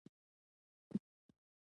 افغانستان کې د اوړي په اړه زده کړه کېږي.